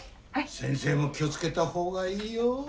先生も気を付けた方がいいよ。